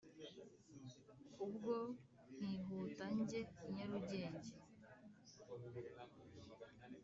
ubwo nkihuta njye i nyarugenge